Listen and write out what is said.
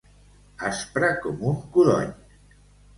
Aspre com un codony.